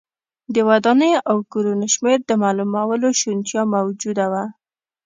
د ودانیو او کورونو شمېر د معلومولو شونتیا موجوده وه.